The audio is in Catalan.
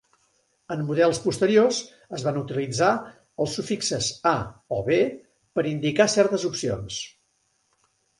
En models posteriors es van utilitzar els sufixes "A" o "B" per indicar certes opcions.